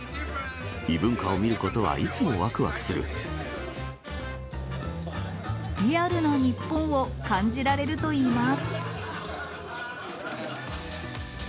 異文化を見ることはいつもわくわリアルな日本を感じられるといいます。